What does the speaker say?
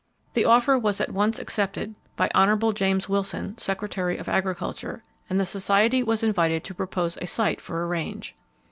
The offer was at once accepted by Hon. James Wilson, Secretary of Agriculture, and the Society was invited to propose a site for a range.